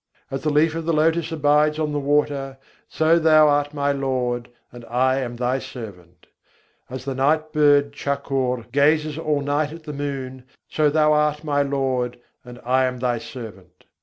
As the leaf of the lotus abides on the water: so thou art my Lord, and I am Thy servant. As the night bird Chakor gazes all night at the moon: so Thou art my Lord and I am Thy servant.